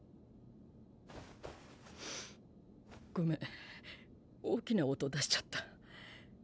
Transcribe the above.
ごめん大きな音出しちゃった。